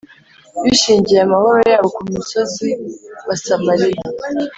bishingiye amahoro yabo ku musozi wa Samariya,